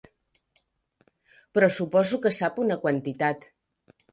Però suposo que sap una quantitat.